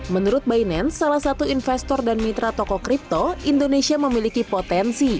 menurut binance salah satu investor dan mitra toko kripto indonesia memiliki potensi